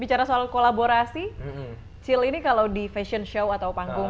bicara soal kolaborasi cil ini kalau di fashion show atau panggung